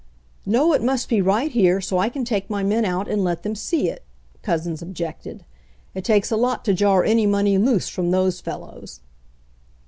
"No, it must be right here, so I can take my men out and let them see it," Couzens objected. "It takes a lot to jar any money loose from those fellows."